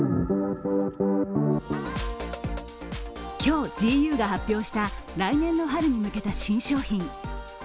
今日、ＧＵが発表した来年の春に向けた新商品。